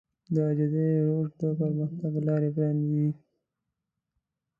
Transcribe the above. د عاجزي روش د پرمختګ لارې پرانيزي.